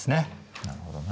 なるほどね。